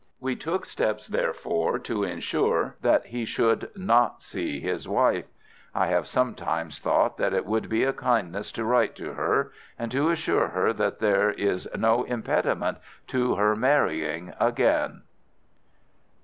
We took steps therefore to insure that he should not see his wife. I have sometimes thought that it would be a kindness to write to her and to assure her that there is no impediment to her marrying again."